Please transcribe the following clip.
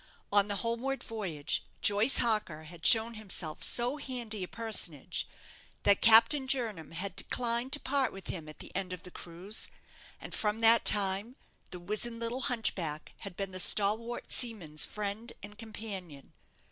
On the homeward voyage, Joyce Harker had shown himself so handy a personage, that Captain Jernam had declined to part with him at the end of the cruise: and from that time, the wizen little hunchback had been the stalwart seaman's friend and companion.